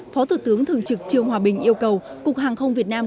phó thủ tướng thường trực trương hòa bình yêu cầu cục hàng không việt nam